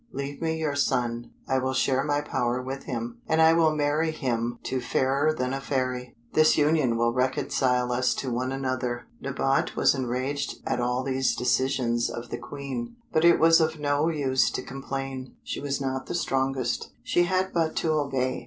Leave me your son; I will share my power with him, and I will marry him to Fairer than a Fairy; this union will reconcile us to one another." Nabote was enraged at all these decisions of the Queen, but it was of no use to complain, she was not the strongest. She had but to obey.